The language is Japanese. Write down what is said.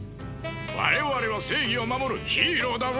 我々は正義を守るヒーローだぞ！